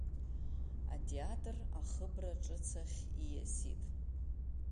Атеатр ахыбра ҿыц ахь ииасит.